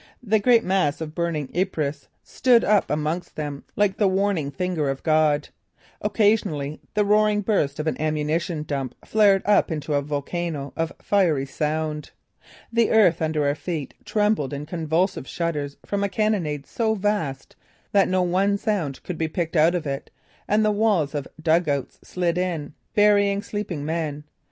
The greater mass of burning Ypres stood up amongst them like the warning finger of God. Occasionally the roaring burst of an ammunition dump flared up into a volcano of fiery sound. The earth under our feet trembled in convulsive shudders from a cannonade so vast that no one sound could be picked out of it and the walls of dug outs slid in, burying sleeping men.